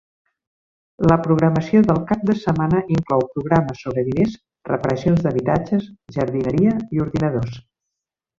La programació del cap de setmana inclou programes sobre diners, reparacions d'habitatges, jardineria i ordinadors.